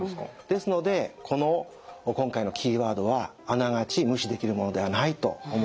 ですのでこの今回のキーワードはあながち無視できるものではないと思います。